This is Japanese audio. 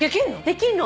できるの。